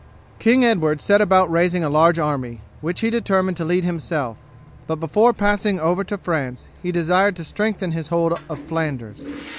King Edward set about raising a large army, which he determined to lead himself, but before passing over to France he desired to strengthen his hold of Flanders.